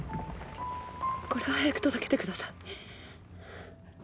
これを早く届けてください